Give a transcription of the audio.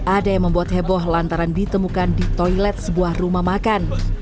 ada yang membuat heboh lantaran ditemukan di toilet sebuah rumah makan